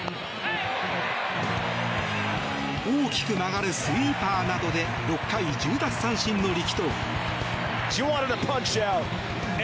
大きく曲がるスイーパーなどで６回１０奪三振の力投。